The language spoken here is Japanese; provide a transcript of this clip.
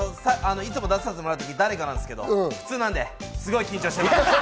いつも出させてもらう時、誰かなんですけど、普通なのですごく緊張してます。